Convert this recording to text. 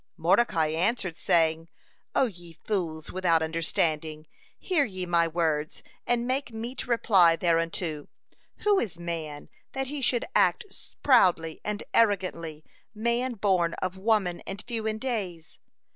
Mordecai answered, saying "O ye fools without understanding! Hear ye my words and make meet reply thereunto. Who is man that he should act proudly and arrogantly man born of woman and few in days?